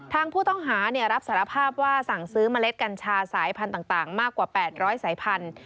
ทางผู้ต้องหารับสารภาพว่าสั่งซื้อเมล็ดกัญชาสายพันธุ์ต่างมากกว่า๘๐๐สายพันธุ